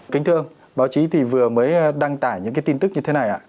kính thưa ông báo chí thì vừa mới đăng tải những tin tức như thế này ạ